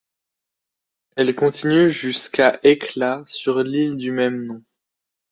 Elle continue jusqu'à Hecla, sur l'île du même nom.